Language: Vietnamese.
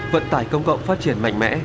vận tải công cộng phát triển mạnh mẽ